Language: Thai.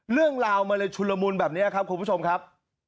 เรื่องราวมันเลยชุนละมุนแบบนี้ครับคุณผู้ชมครับ